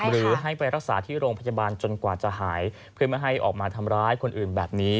หรือให้ไปรักษาที่โรงพยาบาลจนกว่าจะหายเพื่อไม่ให้ออกมาทำร้ายคนอื่นแบบนี้